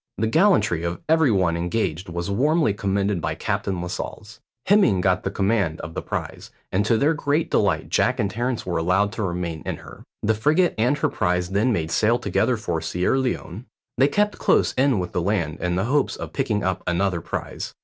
The gallantry of every one engaged was warmly commended by Captain Lascelles. Hemming got the command of the prize, and to their great delight Jack and Terence were allowed to remain in her. The frigate and her prize then made sail together for Sierra Leone. They kept close in with the land in the hopes of picking up another prize.